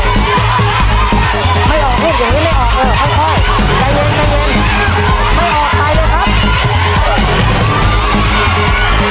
ไม่ออกครับอย่างนี้ไม่ออก